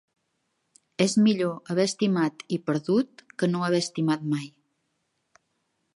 És millor haver estimat i perdut que no haver estimat mai.